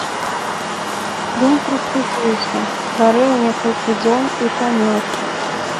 Ён прастудзіўся, хварэў некалькі дзён і памёр.